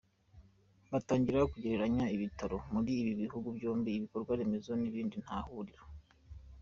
Batangira kugereranya ibitaro muri ibi bihugu byombi, ibikorwa remezo, n’ibindi, nta huriro.